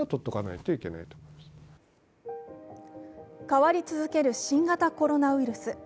変わり続ける新型コロナウイルス。